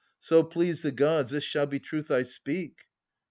So please the Gods, this shall be truth I speak.